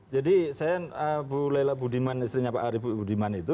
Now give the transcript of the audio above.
jadi saya bu laila budiman istrinya pak arief budiman itu